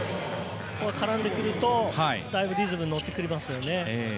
絡んでくるとリズムに乗ってきますよね。